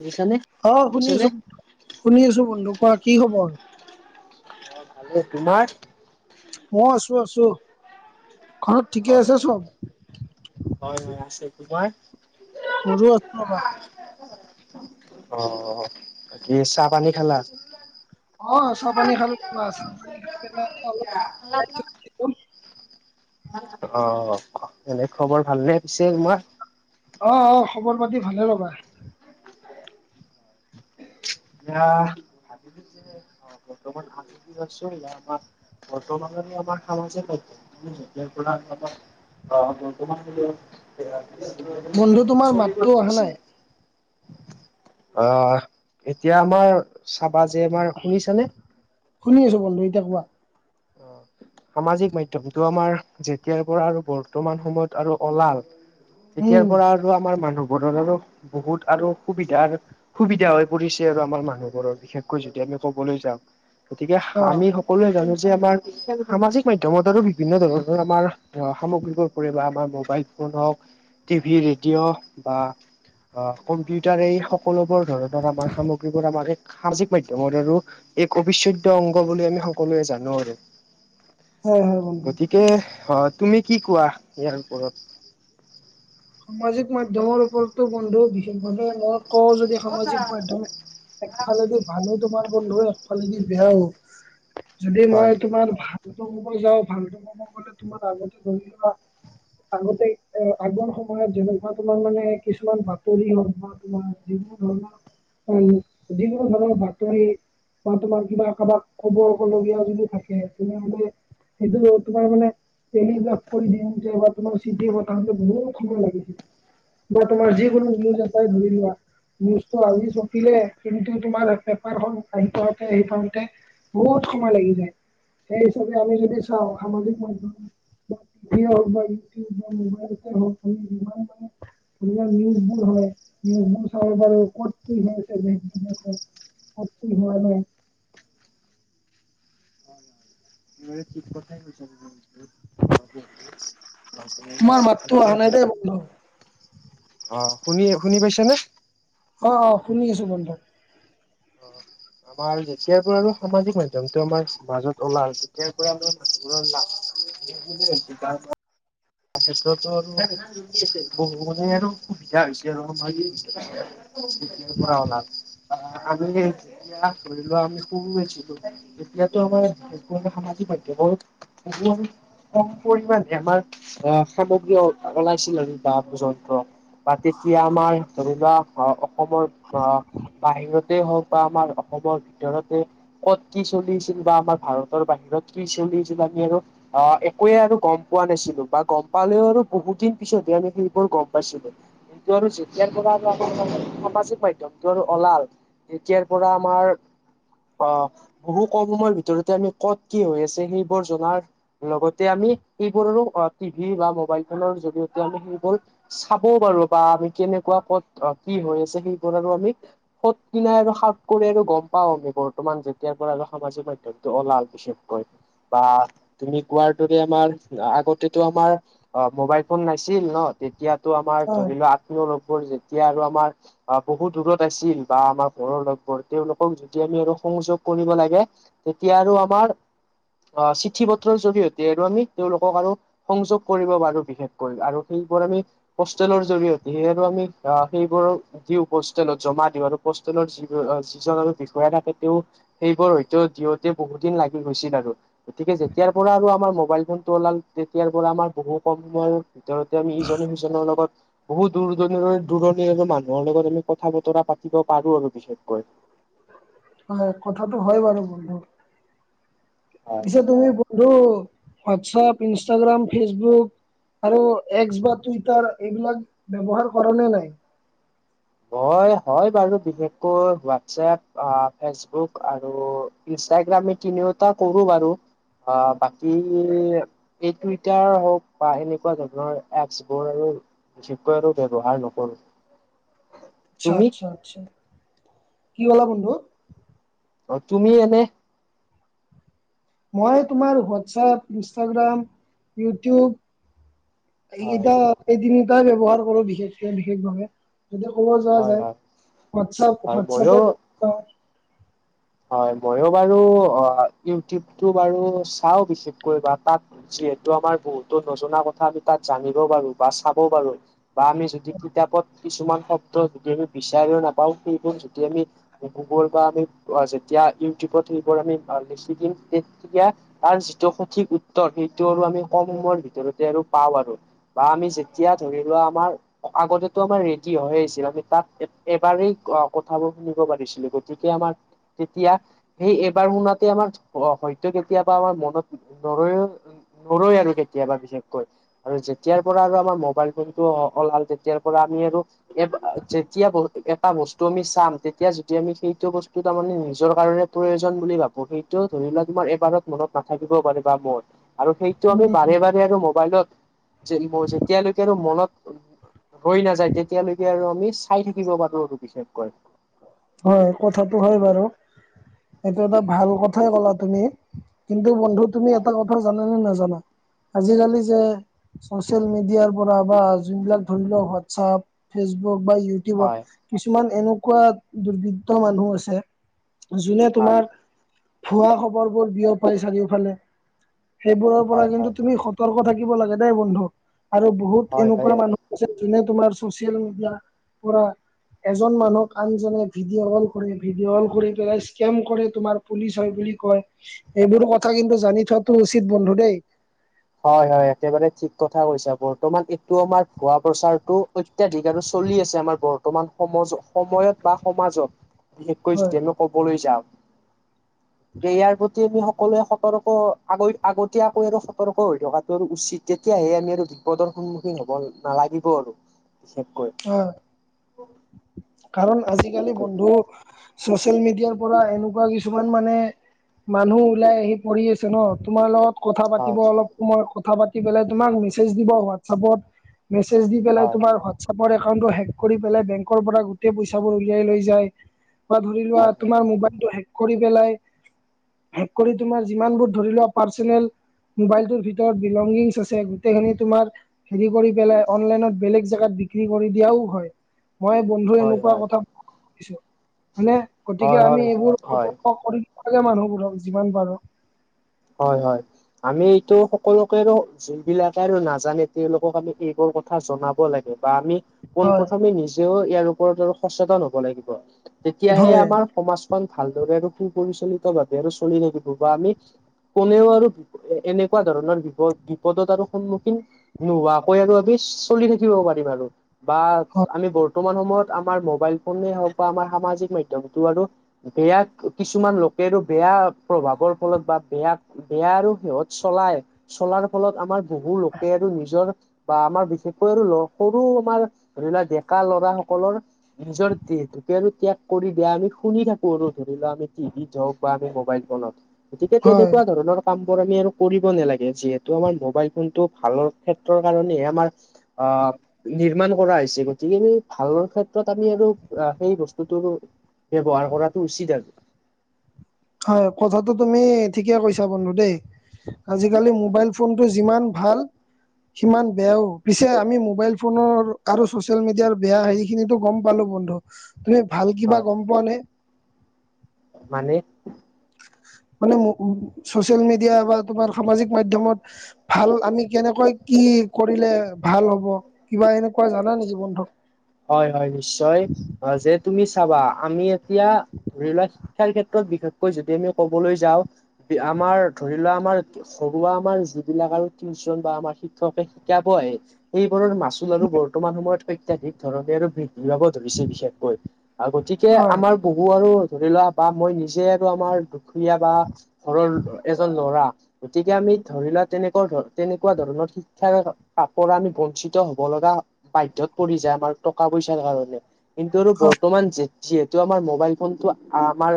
বুজিছানে অ' শুনি বুজিছানে আছো শুনি আছো বন্ধু কোৱা কি খবৰ? মোৰ ভালেই, তোমাৰ? মই আছো আছো, ঘৰত অ ঠিকে আছে চব? হয় মোৰ আছে, তোমাৰ? মোৰো আছে ৰ'বা। অ' বাকী চাহ পানী খালা? অ' চাহ পানী ভালোৱা চাহ পানী খাই পেলাই অলপ [inaudible] অ' এনে খবৰ ভালনে পিছে তোমাৰ? অ' অ' খবৰ পাতি ভালে ৰ'বা। এয়া ভাবিলো যে বৰ্তমান আমি আছো আমাৰ ব ম আমাৰ খ যে ত ব [inaudible] অ তম [inaudible] বন্ধু তোমাৰ মাততো অহা নাই আহ। এতিয়া আমাৰ চাবা যে আমাৰ শুনিছানে? শুনি আছো বন্ধু এতিয়া কোৱা। সামাজিক মাধ্যমটো আমাৰ যেতিয়াৰ পৰা আৰু বৰ্তমান সময়ত আৰু ওলাল। এতিয়াৰ উম পৰা আৰু আমাৰ মানুহবোৰৰ আৰু বহুত আৰু সুবিধা সুবিধা হৈ পৰিছে আৰু আমাৰ মানুহবোৰৰ বিশেষকৈ যদি আমি কবলৈ যাওঁ। গতিকে অ আমি সকলোৱে জানো যে আমাৰ সামাজিক মাধ্যমত আৰু বিভিন্ন ধৰণৰ আমাৰ আহ সামগ্ৰীবোৰ কৰি বা আমাৰ মোবাইল ফোন হওক টিভি ৰেডিঅ' বা অ' কম্পিউটাৰে এই সকলোবোৰ ধৰণৰ আমাৰ সামগ্ৰীবোৰ আমাক সামাজিক মাধ্যমৰ আৰু এক অবিচ্ছেদ্য অংগ বুলি আমি সকলোৱে জানো আৰু। হয় হয়। বন্ধু গতিকে অ' তুমি কি কোৱা ইয়াৰ ওপৰত? সামাজিক মাধ্যমৰ ওপৰতো বন্ধু বিশেষভাৱে মই কওঁ যদি সামাজিক মাধ্যম একফালেদি ভালো তোমাৰ বন্ধু একফালেদি বেয়াও, যদি হয়। মই তোমাৰ ভাল ফটো মম যাও ফালটু কম গলে তুমাৰ আগতে ধৰি যা [inaudible] আগতে অ' আগৰ সময় যেনেকুৱা তোমাৰ মানে কিছুমান বাতৰি হওক বা তোমাৰ যিবোৰ ধৰণৰ উম, যিকোনো ধৰণৰ বাতৰি বা তোমাৰ কিবা কাৰোবাক খবৰ লবলগীয়া যদি থাকে তেনেহলে সেইটো তোমাৰ মানে েলিগাক [inaudible] কৰি দি যে বা তোমাৰ চিট বা ত বহুত লাগিব বা তোমাৰ যিকোনো নিউজ এটাই ধৰি লোৱা নিজটো আজি চপিলে কিন্তু তোমাৰ পেপাৰখন আহি পাওঁতে আহি পাওঁতে বহুত সময় লাগি যায় সেই হিচাপে আমি যদি চাওঁ সামাজিক মাধ্যম - - বা টিভি হওক বা ইউটিউব বা মোবাইলতে হওক আমি যিমান মান নিউজবোৰ হয় নিউজবোৰ চব কৰ হৈছে দে [inaudible] অ হয় হয় [inaudible] তম চিক পথ মচ [inaudible] তোমাৰ মাততো অহা নাই দেই বন্ধু। অ' শুনি - শুনি পাইছে নে? অ' অ' শুনি আছো বন্ধত। অ' আমাৰ যেতিয়াৰ পৰা আৰু সামাজিক মাধ্যয়মটো আমাৰ মাজত ওলা তেতিয়াৰ পৰা। [unintelligible] তখেত্ৰতো আৰু বহু মানে আৰু অ সুবিধা হৈছে আৰু আমা [inaudible] ৰ [unintelligible] [unintelligible] [unintelligible] [unintelligible] [unintelligible] অসমৰ আহ বাহিৰত তে হওক বা আমাৰ অসমৰ ভিতৰতে ক'ত কি চলি আছিল বা আমাৰ ভাৰতৰ বাহিৰত কি চলি আছিল আমি আৰু অ একোৱে আৰু গম পোৱা নাছিলো। বা গম পালেও আৰু বহুত দিন পিছতে আমি সেইবোৰ গম পাইছিলো। [unintelligible] আৰু যেতিয়াৰ পৰা [unintelligible] সামাজিক মাধ্যয়মটো আৰু অলাল। তিয়াৰ পৰা আমাৰ অ, বহু কম সময়ৰ ভিতৰতে আমি কত কি হৈ আছে, সেইবোৰ জনাৰ লগতে আমি এইবোৰৰো টিভি বা মোবাইল ফোনৰ জৰিয়তে আমি সেইবোৰ চাবও পাৰো বা আমি কেনেকুৱা পথ কি হৈ আছে। সেইবোৰ আৰু আমি সত কিনাই আৰু সাওত কৰি আৰু গম পাও আমি বৰ্তমান যেতিয়া পৰা আৰু সামাজিক মাধ্যয়মটো অলাল বিশেষকৈ। বা তুমি কোৱাৰ দৰে আমাৰ আগত তেটো আমাৰ অ মোবাইল ফোন নাছিল ন? তেতিয়টো আমাৰ হয় ধৰি লোৱা তেওঁলোকৰ যেতিয়া আৰু আমাৰ আ বহুত দূৰত আছিল বা আমাৰ ঘৰৰ লগবোৰ। তেওঁলোকক যদি আমি আৰু সংযোগ কৰিব লাগে, তেতিয়া আৰু আমাৰ অহ চিঠি পত্ৰৰ জৰিয়তে আৰু আমি তেওঁলোকক আৰু সংযোগ কৰিব পাৰো বিশেষকৈ আৰু সেইবোৰ আমি পোষ্টেলৰ জৰিয়তে সেই আমি আহ সেইবোৰ দিওঁ পোষ্টেলত জমা দিওঁ আৰু পোষ্টেলত যি যিজন আৰু বিষয়া থাকে। তেওঁ সেইবোৰ হয়তো দিওঁতে বহুত দিন লাগি গৈছিল আৰু। গতিকে যেতিয়াৰ পৰা আৰু আমাৰ মোবাইল ফোনটো ওলাল। তেতিয়াৰ পৰা আমাৰ বহু কম সময়ৰ ভিতৰতে আমি ইজনে সিজনৰ লগত বহুত দূৰ দনিৰৈ দূৰ দূৰণি মানুহৰ লগত আমি কথা বতৰা পাতিব পাৰো আৰু বিশেষকৈ। হয়, কথাটো হয় বাৰু বন্ধো। হয় পিছে তুমি ব ধু হোৱাটছাপ, ইনষ্টাগ্ৰাম, ফেচবুক। আৰু একস বা টুইটাৰ এইবিলাক ব্যৱহাৰ কৰা নে নাই? হয়, হয় বাৰু বিশেষকৈ হোৱাটছএপ আ ফেচবুক আৰু ইনষ্টাগ্ৰামে তিনিওটা কৰো বাৰু। আ বাকী এই টুইটাৰ হওক বা এনেকুৱা ধৰণৰ এপচ বোৰ আৰু বিশেষকৈ আৰু ব্যৱহাৰ নকৰোঁ। আচ্ছা আচ্ছা আচ্ছা। কি বলা বন্ধু? অ, তুমি এনে মই তোমাৰ হোৱাটছআপ, ইনষ্টাগ্ৰাম, ইউটিউব। হয় এইকেইটা এই তিনটা ব্যৱহাৰ কৰো বিশেষকে বিশেষভাৱে। যদি ক'ব যোৱা হয় যায়। হয় হোৱাটছআপ হয় হোৱাটছপে ময়ো হয়, মইও বাৰু অ ইউটিউবটো বাৰু চাও বিশেষকৈ বা তাত যিহেতু আমাৰ বহুতো নজনা কথা আমি তাত জানিব পাৰো বা চাব পাৰো। বা আমি যদি কিতাপত কিছুমান শব্দ যদি আমি বিচাৰিও নাপাওঁ সেইবোৰ যদি আমি [unintelligible] বা আমি যেতিয়া ইউটিউবত সেইবোৰ আমি আ লিখি দিম। তেতিয়া তাৰ যিটো সঠিক উত্তৰ সেইটো আৰু আমি কম সময়ৰ ভিতৰতে আৰু পাওঁ আৰু। বা আমি যেতিয়া ধৰি লোৱা আমাৰ, আগতেটো আমাৰ ৰেডি হৈ আছিল আমি তাত এবাৰেই কথাবোৰ শুনিব পাৰিছিলো গতিকে আমাৰ, তেতিয়া সেই এবাৰ শুনাতে আমাৰ হয়তো কেতিয়াবা আমাৰ মনত নৰৈউ, নৰই আৰু কেতিয়াবা বিশেষকৈ, আৰু যেতিয়াৰ পৰা আৰু আমাৰ মবাইল ফোনটো ওলাল তেতিয়াৰ পৰা আমি আৰু, এ যেতিয়া ব এটা বস্তু আমি চাম তেতিয়া যদি আমি সেইটো বস্তু, তাৰ মানে নিজৰ কাৰণে প্ৰয়োজন বুলি ভাবো সেইটো ধৰি ল তোমাৰ এবাৰত মনত নাথাকিবও পাৰে বা মন, আৰু সেইটো আমি বাৰে উম বাৰে আৰু মোবাইলত যেতিয়ালৈকে আৰু মনত, ৰৈ নাযায় তেতিয়ালৈকে আৰু আমি চাই থাকিব পাৰো আৰু বিশেষকৈ, হয় কথাটো হয় বাৰু, সেইটো এটা ভাল কথাই ক'লা তুমি, কিন্তু বন্ধু তুমি এটা কথা জানানে নাজান আজিকালি যে, ছচিয়েল মেডিয়াৰ পৰা বা যোন বিলাক ধৰি লওক হোৱাটছপ ফেচবুক বা ইউ, হয় কিছুমান এনেকুৱা দুৰ্বৃত্তই মানুহ আছে, যোনে হয় হয় তোমাৰ ভুৱা খবৰ বোৰ বিয় পাই থাকে চাৰিওফালে, সেইবোৰৰ পৰা হয় কিন্তু তুমি সতৰ্ক থাকিব লাগে দেই বন্ধু আৰু বহুত হয় হয় হয় এনেকুৱা মানুহ, যোনে তোমাৰ চচিয়েল মেডিয়া পৰা, এজন মানুহক আনজনে ভিডিঅ কল কৰে ভিডিঅ কল কৰি পেলাই স্কেম কৰে তোমাৰ, পুলিচ হয় বুলি কয় এইবোৰ কথা কিন্তু জানি থোৱাটো উচিত বন্ধু দেই। হয় হয় একেবাৰে ঠিক কথা কৈছা বৰ্তমান এইটো আমাৰ ভুৱা প্ৰচাৰটো, অত্যাধিক আৰু চলি আছে আমাৰ বৰ্তমান সমজ সময়ত বা সমাজত, বিশেষকৈ হয় যদি আমি কবলৈ যাওঁ, ইয়াৰ প্ৰতি আমি সকলোৱে সতৰ্ক আগ আগতীয়াকৈ আৰু, সতৰ্ক হৈ থকাটো আৰু উচিত তেতিয়াহে আমি আৰু বিপদৰ সন্মুখীন হব নালাগিব আৰু, বিশেষকৈ হয়, কাৰণ হয় আজিকালি বন্ধু, চচিয়েল মিডিয়াৰ পৰা এনেকুৱা কিছুমান মানে, মানুহ ওলাই আহি পঢ়ি আছে ন তোমাৰ লগত, কথা পাতিব অলপ সময়ত কথা পাতি পেলাই তোমাক মেছেজ দিব হোৱাটছআপত, মেছেজ দি পেলাই হয় তোমাৰ, চোবৰ একাউণ্টটো হেক কৰি পেলাই বেংকৰ পৰা গোটেই পইচাাবোৰ উলিয়াই লৈ যায়, ধৰি লোৱা হয় তোমাৰ মোবাইলটো শেক কৰি পেলাই, হে কৰি তোমাৰ যিমানবোৰ ধৰি লোৱা পাৰ্চনেল, মোবাইলটোৰ ভিতৰত বিলংগিংছ আছে গোটেইখিনি তোমাৰ, হেৰি কৰি পেলাই অনলাইনত বেলেগ জেগাত বি, কি কৰি দিয়াও হয় মই বন্ধু হয় হয় এনেকুৱা কথাছো মানে, গতিকে হয় হয় আমি হয় এইবোৰ হয় সতৰ্ক কৰি লাগে মানুহবোৰক যিমান পাৰো। হয় হয় আমি এইটো সকলোকে আৰু, যি বিলাকে আৰু নাজানে তেওঁলোকক আমি এইবোৰ কথা জনাব লাগে বা আমি পোন হয় প্ৰথমে নিজেও ইয়াৰ ওপৰত আৰু সচেতন হব লাগিব তেতিয়াহে হয় আমাৰ সমাজ, খন ভালদৰে আৰু সুপৰিচালিত ভাৱে আৰু চলি থাকিব বা আমি, কোনেও আৰু এনেকুৱা ধৰণৰ বিপদ বিপদত আৰু সন্মুখীন, নোহোৱাকৈ আৰু আমি চলি থাকিব পাৰিম আৰু বা আমি বৰ্তমান সময়ত, আমাৰ মোবাইল ফোনে হওক বা আমাৰ সামাজিক মাধ্যয়মটো আৰু, বেয়া কিছুমান লোকে বেয়া প্ৰভাৱৰ ফলত বা বেয়া, বেয়া আৰু সিহত চলাই চলাৰ ফলত আমাৰ বহু লোকে আৰু নিজৰ বা আমাৰ বিশেষকৈ আৰু সৰু আমাৰ ধৰি লোৱা ডেকা লৰা সকলৰ নিজৰ দেতুকে আৰু ত্যাগ কৰি দিয়া আমি শুনি থাকো আৰু ধৰি লও আমি টিভিত হওক বা আমি মোবাইল বনত গতিকে তেনেক হয় ধৰণৰ কাম বোৰ আমি আৰু কৰিব নালাগে যিহেতু আমাৰ মোবাইল ফোনটো ভালৰ ক্ষেত্ৰৰ কাৰণে আমাৰ অ নিৰ্মাণ কৰা হৈছে গতিকেম ভালৰ ক্ষেত্ৰত আমি আৰু সেই বস্তুটো ব্যৱহাৰ কৰাটো উচিত আৰু হয় কথাটো তুমি ঠিকে কৈছা বন্ধু দেই আজিকালি মোবাইল ফোনটো যিমান ভাল সিমান বেয়াও পিছে আমি মোবাইল ফোনৰ আৰু চচিয়েল মিডিয়াৰ বেয়া হেৰি খিনিতো গম পালো বন্ধু তুমি ভাল কিবা হয় গম পোৱা নে মানে মানে উ ছচিয়েল মিডিয়া বা তোমাৰ সামাজিক মাধ্যমত ভাল আমি কেনেকৈ কি কৰিলে ভাল হ'ব। কিবা এনেকুৱা জানা নেকি বন্ধুক হয় হয় নিশ্চয় যে তুমি চাবা আমি এতিয়া ধৰি লোৱা খেল ক্ষেত্ৰত বিশেষকৈ যদি আমি কবলৈ যাওঁ আমাৰ ধৰি লোৱা আমাৰ ঘৰুৱা আমাৰ যিবিলাক আৰু টিউচন বা আমাৰ শিক্ষকে শিকাব আহে এইবোৰৰ মাচুল আৰু বৰ্তমান সময়ত অত্যাধিক ধৰণে আৰু বৃদ্ধি পাব ধৰিছে বিশেষকৈ গতিকে হয় আমাৰ বহু আৰু ধৰি লোৱা বা মই নিজে আৰু আমাৰ দুখীয়া বা ঘৰৰ এজন ল'ৰা গতিকে আমি ধৰি লোৱা তেনেকুৱা ধ তেনেকুৱা ধৰণৰ শিক্ষাৰ পৰা আমি বঞ্চিত হব লগা বাধ্যত পৰি যায় আমাৰ টকা পইচাৰ কাৰণে কিন্তু আৰু হয় বৰ্তমান যে যিহেতু আমাৰ মোবাইল ফোনটো আমাৰ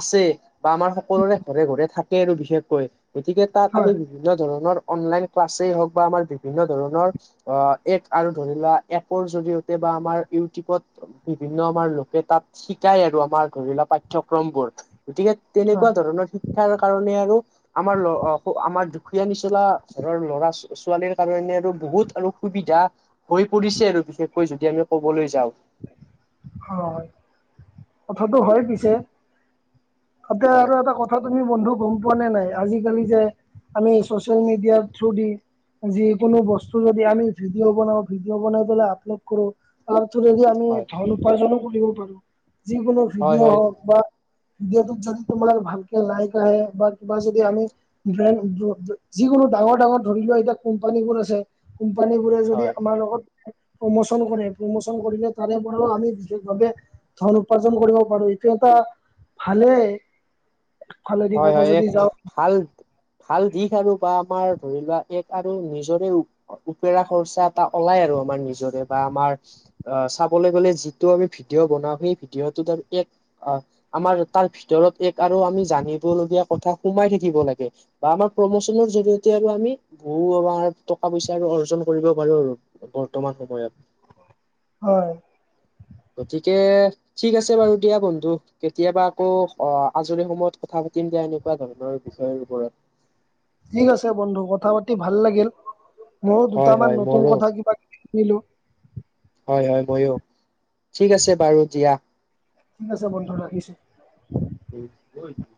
আছে বা আমাৰ সকলোৰে ঘৰে ঘৰে থাকে আৰু বিশেষকৈ গতিকে তাত আমি হয় বিভিন্ন ধৰণৰ অনলাইন ক্লাছেই হওঁক বা আমাৰ বিভিন্ন ধৰণৰ অ এক আৰু ধৰি লোৱা এপৰ জৰিয়তে বা আমাৰ ইউটিউবত বিভিন্ন আমাৰ লোকে তাত শিকায় আৰু আমাৰ ধৰি লোৱা পাঠ্যক্ৰম বোৰ গতিকে তেনেকুৱা হয় ধৰণৰ শিক্ষাৰ কাৰণে আৰু আমাৰ আমাৰ দুখীয়া নিচলা ঘৰৰ ল'ৰা ছোৱালীৰ কাৰণে আৰু বহুত আৰু সুবিধা হৈ পৰিছে আৰু বিশেষকৈ যদি আমি কবলৈ যাওঁ হয় কথাটো হয় পিছে তাতে হয় আৰু এটা কথা তুমি বন্ধু গম পোৱা নে নাই আজিকালি যে আমি চচিয়েল মিডিয়াৰ থ্ৰু দি যিকোনো বস্তু যদি আমি ভিডিঅ' বনাওঁ ভিডিঅ' বনাই পেললে আপলোড কৰো যদি আমি হয় ধন উপাৰ্জনো কৰিব পাৰো যিকোনো হয় ভিডিঅ' হয় হওক বা ভডিঅ'ত যদি তোমাৰ ভালকে লাইক আহে বা কিবা যদি আমি যিকোনো ডাঙৰ ডাঙৰ ধৰি লোৱা এতিয়া কোম্পানী বোৰ আছে। কোম্পানী বোৰে যদি হয় আমাৰ লগত প্ৰমোচন কৰে প্ৰম কৰিলে তাৰে পৰাও আমি বিশেষভাৱে ধন উপাৰ্জন কৰিব পাৰো এইটো এটা ভালেই ফালেদি হয় ক'ব হয় যদি এক যাওঁ ভাল ভাল দিশ আৰু বা আমাৰ ধৰি লোৱা এক আৰু নিজৰে উপেৰা খৰ্চাত এটা ওলাই আৰু আমাৰ নিজৰে বা আমাৰ অ', চাবলৈ গলে যিটো আমি ভিডিঅ' বনাও সেই ভিডিঅ'টোত এক অ', আমাৰ তাৰ ভিতৰত এক আৰু আমি জানিব লগগীয়া কথা সোমাই থাকিব লাগে। বা আমাৰ প্ৰমোচনৰ জৰিয়তে আৰু আমি বহু আমাৰ টকা পইচা আৰু অৰ্জন কৰিব পাৰো আৰু। বৰ্তমান সময়ত। হয়। গতিকে ঠিক আছে বাৰু দিয়া বন্ধু কেতিয়াবা আকৌ অ', আজৰি সময়ত কথা পাতিম দিয়া আমি। কনেুৱা ধৰণৰ বিষয়ৰ ওপৰত ঠিক আছে বন্ধু কথা পাতি ভাল লাগিল, ময়ো হয় দুটামান হয় নতুন মোৰো কথা কিবা কিবি শুকিলোঁ। হয়, হয় মইও ঠিক আছে বাৰু দিয়া। ঠিক আছে বন্ধ ৰাখিছোঁ। [unintelligible]